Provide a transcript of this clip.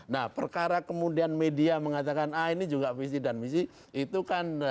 nah perkara kemudian media mengatakan ah ini juga visi dan misi itu kan